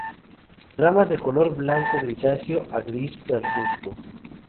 Ramas de color blanco grisáceo a gris pardusco.